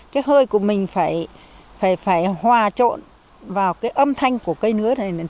cái hơi của mình phải hòa trộn vào âm thanh của cây nứa